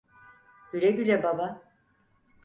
Güle güle baba.